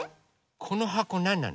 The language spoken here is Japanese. このはこなんなの？